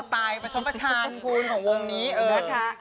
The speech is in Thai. เป็นสไตล์ประชาญภูมิของวงนี้เออ